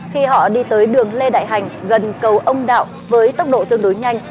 khi họ đi tới đường lê đại hành gần cầu ông đạo với tốc độ tương đối nhanh